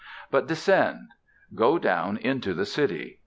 But, descend. Go down into the city.